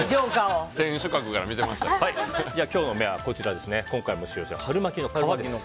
今日の眼はこちら今回も使用した春巻きの皮です。